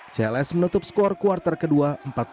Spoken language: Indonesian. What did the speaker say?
cls menutup skor kuartal kedua empat puluh delapan empat puluh empat